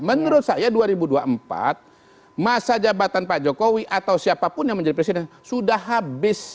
menurut saya dua ribu dua puluh empat masa jabatan pak jokowi atau siapapun yang menjadi presiden sudah habis